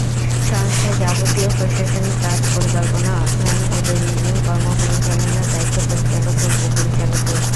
সংস্থার যাবতীয় প্রশাসনিক কাজ, পরিকল্পনা, অর্থায়ন ও দৈনন্দিন কর্ম পরিচালনার দায়িত্ব পরিচালক ও উপ-পরিচালকের।